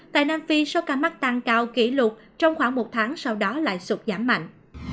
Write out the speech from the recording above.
tại nam phi số ca mắc tăng cao kỷ lục trong khoảng một tháng sau đó lại sụp giảm mạnh